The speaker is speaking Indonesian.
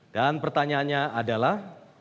dan pertanyaannya adalah